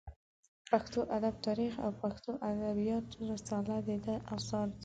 د پښتو ادب تاریخ او پښتو ادبیات رساله د ده اثار دي.